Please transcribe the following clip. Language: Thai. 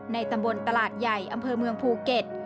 ตำบลตลาดใหญ่อำเภอเมืองภูเก็ต